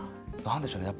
何でしょうね？